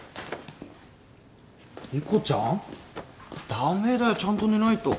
駄目だよちゃんと寝ないと。